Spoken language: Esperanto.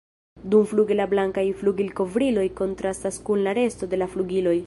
Dumfluge la blankaj flugilkovriloj kontrastas kun la resto de la flugiloj.